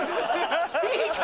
いいから。